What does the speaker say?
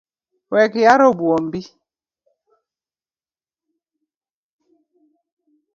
Wekyaro buombi